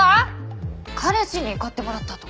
彼氏に買ってもらったとか。